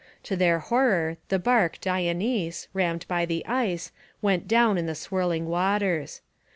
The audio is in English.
To their horror the barque Dionise, rammed by the ice, went down in the swirling waters.